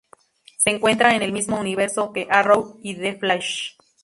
Se encuentra en el mismo universo que "Arrow" y "The Flash".